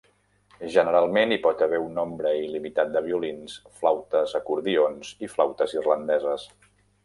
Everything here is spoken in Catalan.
Generalment hi pot haver un nombre il·limitat de violins, flautes, acordions i flautes irlandeses.